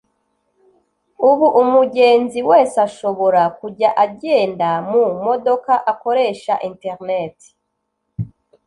ubu umugenzi wese ashobora kujya agenda mu modoka akoresha internet